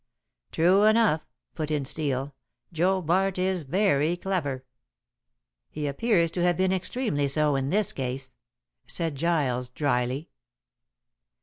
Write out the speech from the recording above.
"True enough," put in Steel, "Joe Bart is very clever." "He appears to have been extremely so in this case," said Giles dryly.